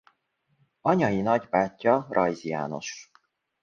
Anyai nagybátyja Rajz János.